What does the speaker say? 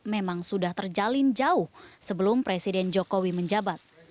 memang sudah terjalin jauh sebelum presiden jokowi menjabat